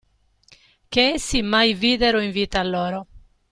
Che essi mai videro in vita loro.